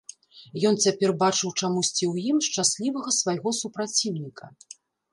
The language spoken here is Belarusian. Ён цяпер бачыў чамусьці ў ім шчаслівага свайго супраціўніка.